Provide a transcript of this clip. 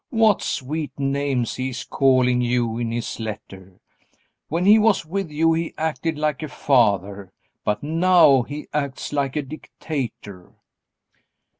What sweet names he is calling you in his letter. When he was with you he acted like a father, but now he acts like a dictator."